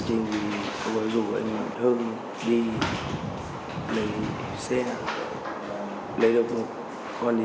thu giữ một giao gấp kìm thủy lực các loại và vam phạm hóa xe